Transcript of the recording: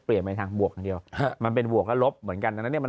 เปลี่ยนไปทางบวกเดียวมันเป็นบวกรบเหมือนกันนะเนี่ยมัน